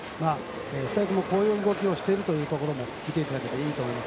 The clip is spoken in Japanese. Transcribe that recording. ２人ともこういう動きをしているというところも見ていただいたと思います。